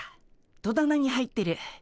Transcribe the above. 戸棚に入ってる。